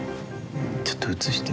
ちょっと映して。